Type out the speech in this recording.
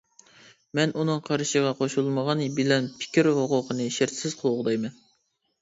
مەن ئۇنىڭ قارىشىغا قوشۇلمىغان بىلەن پىكىر ھوقۇقىنى شەرتسىز قوغدايمەن .